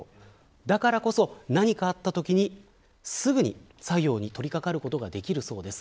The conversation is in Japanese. だからこそ何かあったときすぐ作業に取り掛かることができるそうです。